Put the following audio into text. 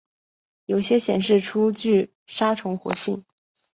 有些显示出具杀虫活性。